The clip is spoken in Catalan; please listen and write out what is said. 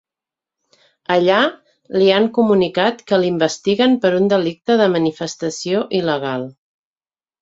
Allà, li han comunicat que l’investiguen per un delicte de manifestació il·legal.